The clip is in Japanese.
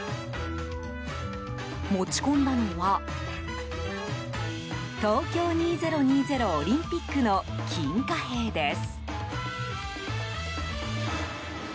持ち込んだのは東京２０２０オリンピックの金貨幣です。